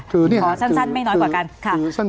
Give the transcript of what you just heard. ขอสั้นไม่น้อยกว่ากันค่ะ